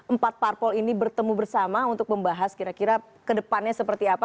belum empat parpol ini bertemu bersama untuk membahas kira kira ke depannya seperti apa